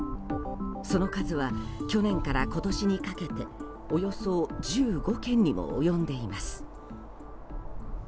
その数は去年から今年にかけておよそ１５件にも及んでいます。